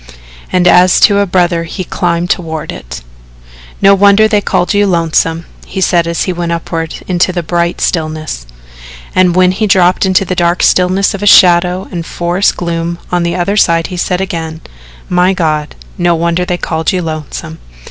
And as to a brother he climbed toward it. "No wonder they call you Lonesome," he said as he went upward into the bright stillness, and when he dropped into the dark stillness of shadow and forest gloom on the other side he said again: "My God, no wonder they call you Lonesome."